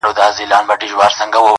نه پر مځکه چا ته گوري نه اسمان ته-